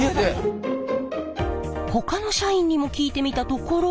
ほかの社員にも聞いてみたところ。